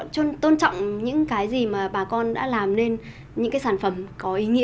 trân trọng những cái gì mà bà con đã làm nên những cái sản phẩm có ý nghĩa